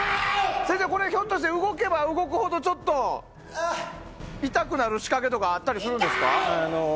先生、ひょっとして動けば動くほど痛くなる仕掛けとかあったりするんですか？